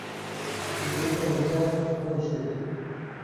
Les deux kamikazes sont décédées.